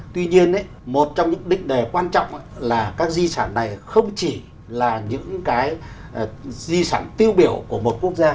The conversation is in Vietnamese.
tuy nhiên một trong những đích đề quan trọng là các di sản này không chỉ là những cái di sản tiêu biểu của một quốc gia